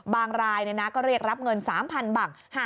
รายก็เรียกรับเงิน๓๐๐๐บัง